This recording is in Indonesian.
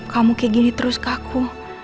kamu kayak gini terus ke aku